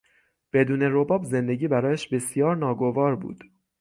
بدون رباب، زندگی برایش بسیار ناگوار بود.